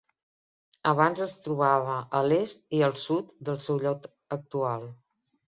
Abans es trobava a l'est i al sud del seu lloc actual.